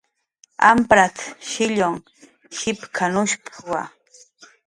"Amprat"" shillkun jipk""anushp""wa "